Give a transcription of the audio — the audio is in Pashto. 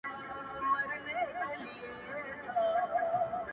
• بابولاره وروره راسه تې لار باسه؛